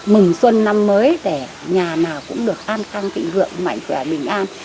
mừng xuân năm mới để nhà nào cũng được an khang tịnh hưởng mạnh khỏe bình an